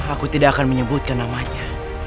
aku tidak akan menyebutkan namanya